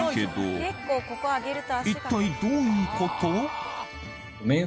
一体どういうこと？